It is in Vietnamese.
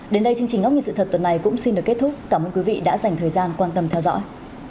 đến đây chương trình ngóc nghị sự thật tuần này cũng xin được kết thúc cảm ơn quý vị đã dành thời gian quan tâm theo dõi